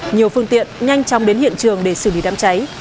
nhiều phương tiện nhanh chóng đến hiện trường để xử lý đám cháy